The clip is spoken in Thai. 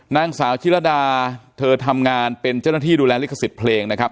นางสาวชิระดาเธอทำงานเป็นเจ้าหน้าที่ดูแลลิขสิทธิ์เพลงนะครับ